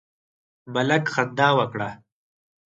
ملک خندا وکړه.